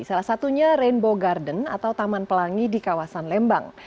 salah satunya rainbow garden atau taman pelangi di kawasan lembang